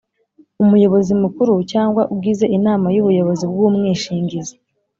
umuyobozi mukuru cyangwa ugize inama y’ubuyobozi bw’umwishingizi